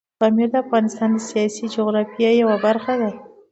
پامیر د افغانستان د سیاسي جغرافیې یوه برخه ده.